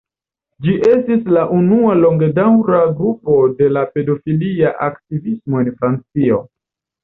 Ĝi estis la unua longedaŭra grupo de la pedofilia aktivismo en Francio.